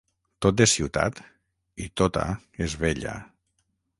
Tot és ciutat i tota és vella.